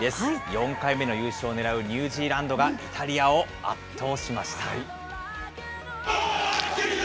４回目の優勝をねらうニュージーランドがイタリアを圧倒しました。